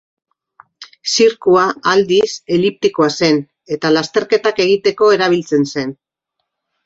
Zirkua, aldiz, eliptikoa zen eta lasterketak egiteko erabiltzen zen.